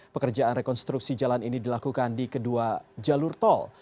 pekerjaan rekonstruksi jalan ini dilakukan di kedua jalur tol